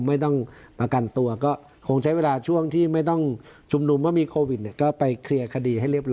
ไม่ต้องประกันตัวก็คงใช้เวลาช่วงที่ไม่ต้องชุมดุมว่ามีโควิด